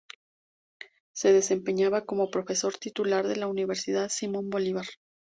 Se desempeñaba como Profesor Titular de la Universidad Simón Bolívar.